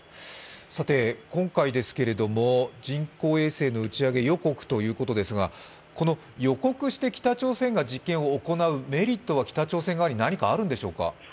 今回ですけれども、人工衛星の打ち上げ予告ということですけれども予告して北朝鮮が実験を行うメリットは北朝鮮側に何かあるんでしょうか？